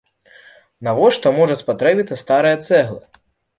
Навошта можа спатрэбіцца старая цэгла?